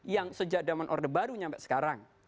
yang sejak zaman orde baru sampai sekarang